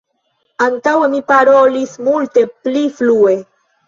Antaŭe mi parolis multe pli flue.